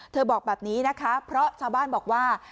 บอกแบบนี้นะคะเพราะชาวบ้านบอกว่า